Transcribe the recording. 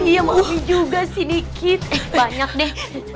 mami juga sih dikit eh banyak deh